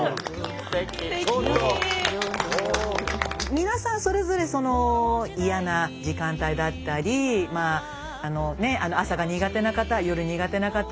皆さんそれぞれ嫌な時間帯だったり朝が苦手な方夜苦手な方